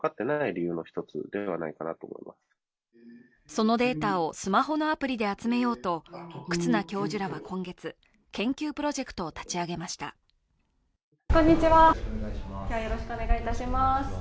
そのデータをスマホのアプリで集めようと、忽那教授らは今月、研究プロジェクトを立ち上げました。